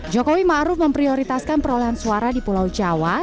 jokowi ma'ruf memprioritaskan perolehan suara di pulau jawa